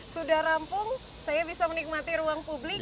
sudah rampung saya bisa menikmati ruang publik